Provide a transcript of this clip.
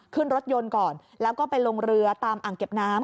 ขึ้นรถยนต์ก่อนแล้วก็ไปลงเรือตามอ่างเก็บน้ำ